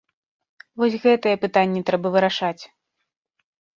Вось гэтыя пытанні трэба вырашаць!